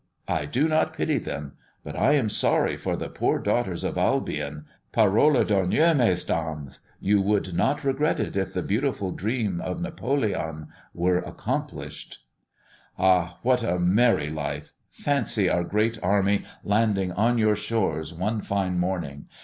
I do not pity them; but I am sorry for the poor daughters of Albion. Parole d'honneur, Mesdames, you would not regret it if the beautiful dream of Napoleon were accomplished. Ha, what a merry life! Fancy our great army landing on your shores one fine morning.